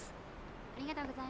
ありがとうございます。